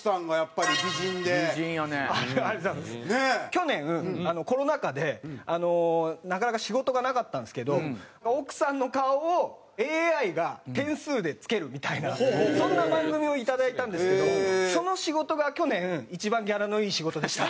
去年コロナ禍でなかなか仕事がなかったんですけど奥さんの顔をＡＩが点数でつけるみたいなそんな番組をいただいたんですけどその仕事が去年一番ギャラのいい仕事でした。